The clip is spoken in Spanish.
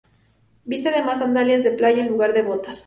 Viste además sandalias de playa en lugar de botas.